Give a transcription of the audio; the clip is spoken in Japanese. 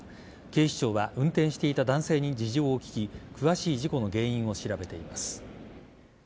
警視庁は運転していた男性に事情を聴き詳しい事故の原因を調べています。